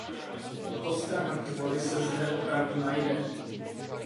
Kostra mrtvoly se zde opravdu najde.